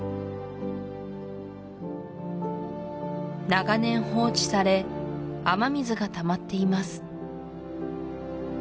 長年放置され雨水がたまっています